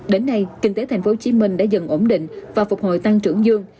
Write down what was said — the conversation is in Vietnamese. đến nay kinh tế tp hcm đã dần ổn định và phục hồi tăng trưởng dương